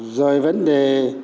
rồi vấn đề